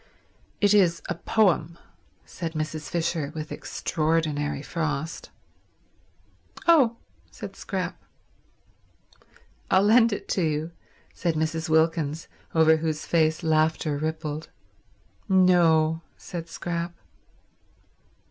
"It is a poem," said Mrs. Fisher with extraordinary frost. "Oh," said Scrap. "I'll lend it to you," said Mrs. Wilkins, over whose face laughter rippled. "No," said Scrap.